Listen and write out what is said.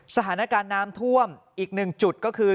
สถานการณ์น้ำท่วมอีกหนึ่งจุดก็คือ